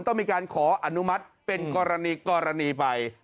ต้องมีการขออนุมัติเป็นกรณีไป